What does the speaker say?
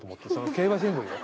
競馬新聞よ。